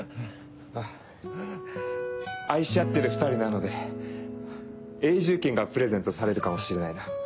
ああ愛し合っている２人なので永住権がプレゼントされるかもしれないな。